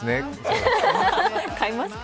買いますか？